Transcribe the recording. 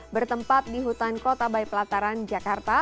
bertempat di hutan kota baipelataran jakarta